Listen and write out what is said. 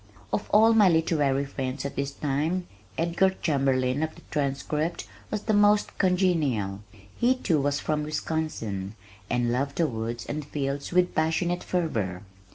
Of all of my literary friends at this time, Edgar Chamberlin of the Transcript was the most congenial. He, too, was from Wisconsin, and loved the woods and fields with passionate fervor.